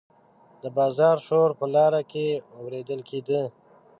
د بازار شور په لاره کې اوریدل کیده.